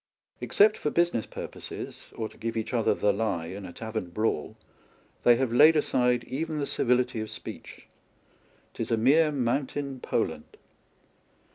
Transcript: Except for business purposes, or to give each other the lie in a tavern braw^l, they have laid aside even the civility of speech. 'Tis a mere mountain Poland.